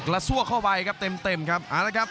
ละซั่วเข้าไปครับเต็มครับ